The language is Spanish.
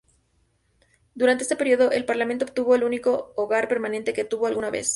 Durante este período, el Parlamento obtuvo el único hogar permanente que tuvo alguna vez.